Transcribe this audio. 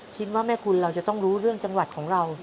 คิดว่าแม่คุณเราจะต้องรู้เรื่องจังหวัดของเรา